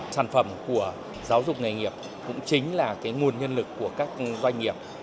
sản phẩm của giáo dục nghề nghiệp cũng chính là nguồn nhân lực của các doanh nghiệp